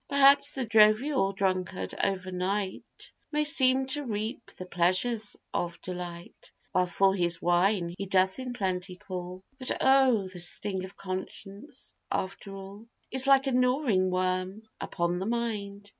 Perhaps the jovial drunkard over night, May seem to reap the pleasures of delight, While for his wine he doth in plenty call; But oh! the sting of conscience, after all, Is like a gnawing worm upon the mind.